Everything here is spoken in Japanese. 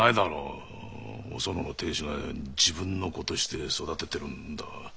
おそのの亭主が自分の子として育ててるんだ。